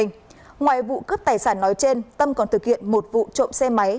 ngoài vụ cướp tài sản nói trên tâm còn thực hiện một vụ trộm xe máy